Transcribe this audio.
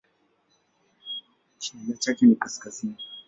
Kinyume chake ni kaskazini.